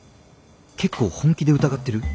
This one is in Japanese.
結構本気で疑ってる？